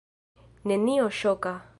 Nenio ŝoka.